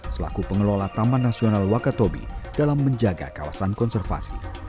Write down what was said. selaku pengelola taman nasional wakatobi dalam menjaga kawasan konservasi